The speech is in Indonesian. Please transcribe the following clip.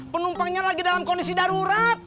penumpangnya lagi dalam kondisi darurat